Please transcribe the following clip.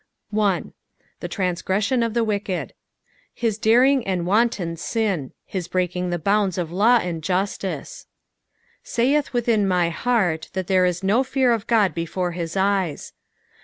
1. " The transgreuion of the Kicked." His daring and wanton sin ; bis break inf^ the bounds of law and justice. " Saith viithin my heart, that there is no fear of God hefare his eyes."